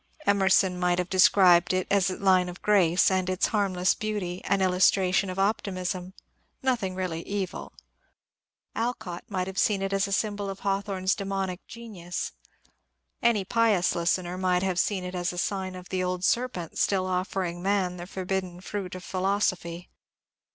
Emerson might have described it as the line of grace, and its harmless beauty an illustration of optimism, — no thing really evil. Alcott might have seen in it a symbol of Hawthorne's demonic genius. Any pious listener might have seen in it a sign of the old serpent still offering man the for bidden fruit of philosophy.